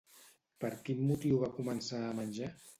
Per quin motiu va començar a menjar?